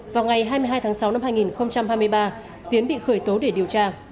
vào ngày hai mươi hai tháng sáu năm hai nghìn hai mươi ba tiến bị khởi tố để điều tra